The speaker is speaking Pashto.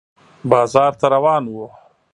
بازار ته روان و